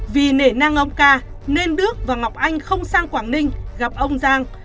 vì nể nang ông ca nên đức và ngọc anh không sang quảng ninh gặp ông giang